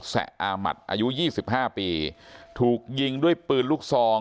สะอามัติอายุ๒๕ปีถูกยิงด้วยปืนลูกซอง